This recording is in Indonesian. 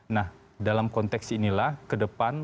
nah dalam konteks inilah ke depan